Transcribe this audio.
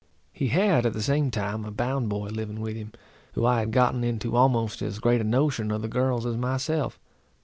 He had at the same time a bound boy living with him, who I had gotten into almost as great a notion of the girls as myself.